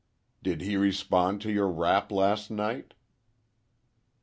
"Did he respond to your rap last night?"